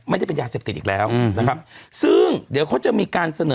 ไม่ได้เป็นยาเสพติดอีกแล้วนะครับซึ่งเดี๋ยวเขาจะมีการเสนอ